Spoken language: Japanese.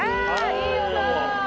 いい音！